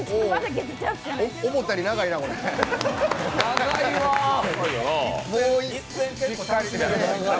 思ったより長いな、これ。